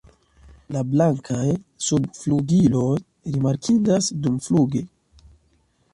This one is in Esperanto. La blankaj subflugiloj rimarkindas dumfluge.